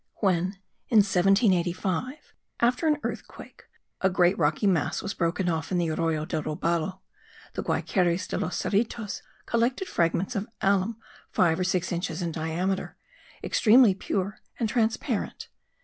When, in 1785, after an earthquake, a great rocky mass was broken off in the Aroyo del Robalo, the Guaykeries of Los Serritos collected fragments of alum five or six inches in diameter, extremely pure and transparent.